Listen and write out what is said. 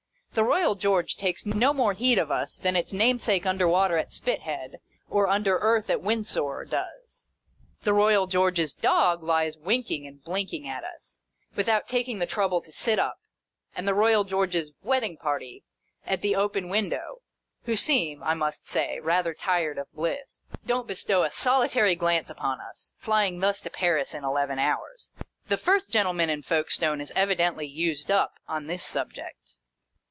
The Eoyal George takes no more heed of us than its namesake under water at Spithead, or under earth at Windsor, does. The Eoyal George's dog lies winking and blinking at us, without taking the trouble to sit up ; and the Royal George's " wedding party " at the open window (who seem, I must say, rather tired of bliss) don't bestow a solitary glance upon us, flying thus to Paris in eleven hours. The first gentleman in Folkestone is evidently used up, on this subject.